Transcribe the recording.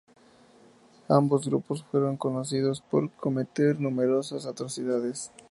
Ambos grupos fueron conocidos por cometer numerosas atrocidades.